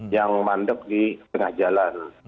yang mandek di tengah jalan